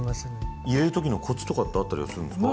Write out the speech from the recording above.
入れる時のコツとかってあったりするんですか？